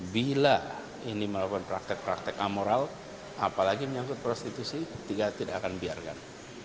bila ini melakukan praktek praktek amoral apalagi menyaksikan prostitusi tidak akan dibiarkan